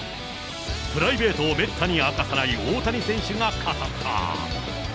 プライベートをめったに明かさない大谷選手が語った。